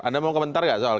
anda mau komentar gak soal